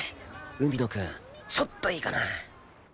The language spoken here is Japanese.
海野くんちょっといいかな？